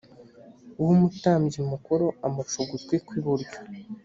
w umutambyi mukuru amuca ugutwi kw iburyo